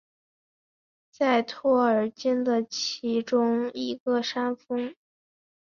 在托尔金的其中一个山峰。